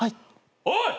おい！